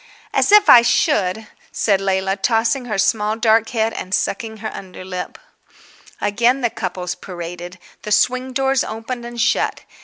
"As if I should!" said Leila, tossing her small dark head and sucking her underlip.... Again the couples paraded. The swing doors opened and shut.